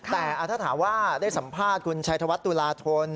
แต่ถ้าถามว่าได้สัมภาษณ์คุณชัยธวัฒนตุลาธน